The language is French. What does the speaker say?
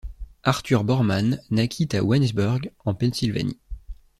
Arthur Boreman naquit à Waynesburg, en Pennsylvanie.